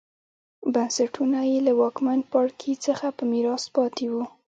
بنسټونه یې له واکمن پاړکي څخه په میراث پاتې وو